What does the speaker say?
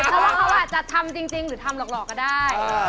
แล้วเขาอาจจะทำจริงจริงหรือทำหรอกหรอกก็ได้